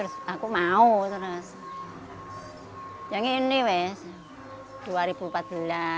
saya ingin menjadikannya